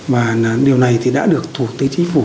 và điều này thì đã được thủ tế chính phủ